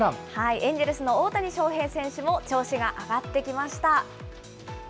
エンジェルスの大谷翔平選手も調子が上がってきました。